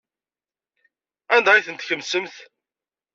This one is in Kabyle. Anda ay ten-tkemsemt?